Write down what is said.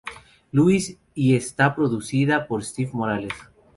Louis, y está producida por Steve Morales.